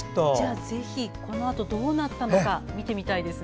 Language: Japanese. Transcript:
ぜひ、このあとどうなったか見てみたいですね。